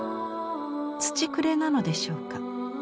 土くれなのでしょうか。